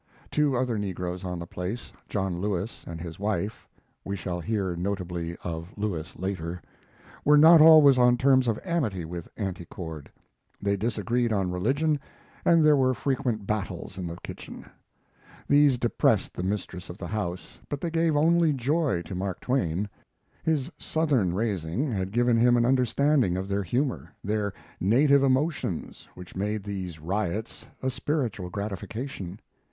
Two other negroes on the place, John Lewis and his wife (we shall hear notably of Lewis later), were not always on terms of amity with Auntie Cord. They disagreed on religion, and there were frequent battles in the kitchen. These depressed the mistress of the house, but they gave only joy to Mark Twain. His Southern raising had given him an understanding of their humors, their native emotions which made these riots a spiritual gratification.